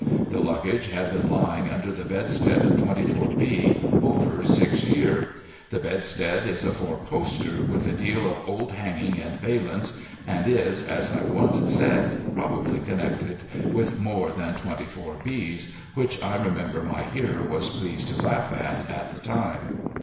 The luggage had been lying under the bedstead of 24 B over six year. The bedstead is a four poster, with a deal of old hanging and valance, and is, as I once said, probably connected with more than 24 Bs, — which I remember my hearers was pleased to laugh at, at the time.